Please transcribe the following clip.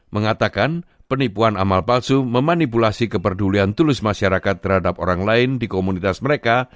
mengatakan penipuan amal palsu memanipulasi kepedulian tulus masyarakat terhadap orang lain di komunitas mereka